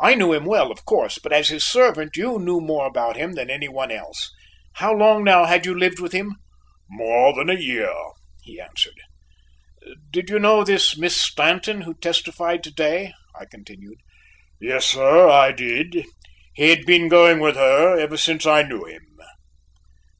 I knew him well, of course, but as his servant, you knew more about him than any one else. How long, now, had you lived with him?" "More than a year," he answered. "Did you know this Miss Stanton, who testified to day?" I continued. "Yes, sir, I did; he had been going with her ever since I knew him."